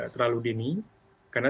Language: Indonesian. terlalu dini karena